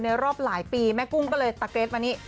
รอบหลายปีแม่กุ้งก็เลยตะเกรทมานี้